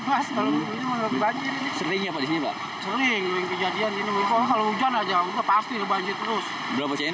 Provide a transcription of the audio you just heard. paling tingginya berapa cm